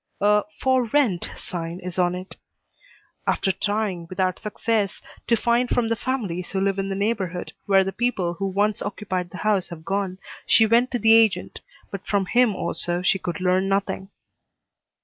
A "For Rent" sign is on it. After trying, without success, to find from the families who live in the neighborhood where the people who once occupied the house have gone, she went to the agent, but from him also she could learn nothing.